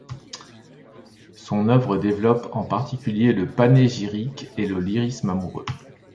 Son œuvre développe en particulier le panégyrique et le lyrisme amoureux.